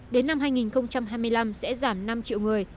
đến năm hai nghìn hai mươi năm sẽ giảm năm triệu người